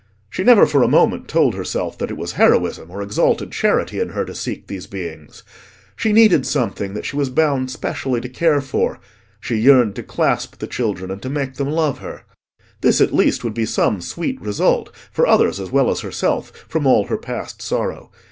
She never for a moment told herself that it was heroism or exalted charity in her to seek these beings; she needed something that she was bound specially to care for; she yearned to clasp the children and to make them love her. This at least would be some sweet result, for others as well as herself, from all her past sorrow.